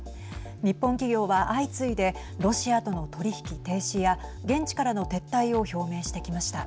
日本企業は相次いでロシアとの取引停止や現地からの撤退を表明してきました。